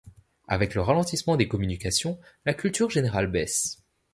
Avec le ralentissement des communications, la culture générale baisse.